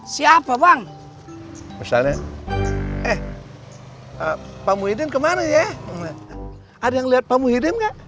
siapa bang misalnya eh pak muhyiddin kemana ya ada yang lihat pak muhirim nggak